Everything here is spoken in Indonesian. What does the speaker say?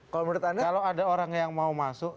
kalau ada orang yang mau masuk